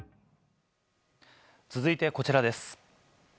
続いて、こちらです。